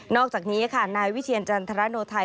อกจากนี้ค่ะนายวิเชียรจันทรโนไทย